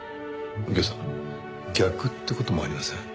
右京さん逆って事もありません？